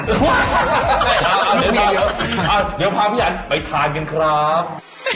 เดี๋ยวมีเดี๋ยวพาพี่อันไปทานกันครับ